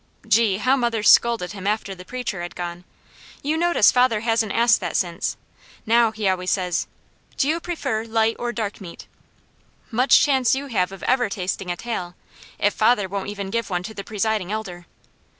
Gee, how mother scolded him after the preacher had gone! You notice father hasn't asked that since. Now, he always says: 'Do you prefer light or dark meat?' Much chance you have of ever tasting a tail, if father won't even give one to the Presiding Elder!"